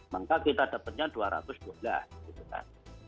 maka kita dapatnya dua ratus bunda gitu kan